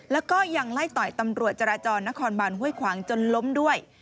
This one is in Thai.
แล้วก็ยังไล่ต่อยตำรวจจราจรนครบานห้วยขวางจนล้มด้วย